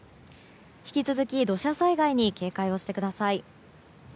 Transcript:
引き続き土砂災害に警戒をしてください。